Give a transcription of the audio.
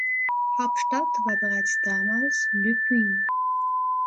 Hauptstadt war bereits damals Le Puy.